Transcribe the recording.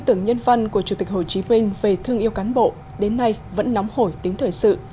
tưởng nhân văn của chủ tịch hồ chí minh về thương yêu cán bộ đến nay vẫn nóng hổi tính thời sự